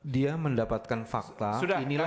dia mendapatkan fakta inilah